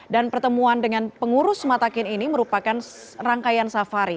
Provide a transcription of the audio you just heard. dan pertemuan dengan pengurus mataken ini merupakan rangkaian safari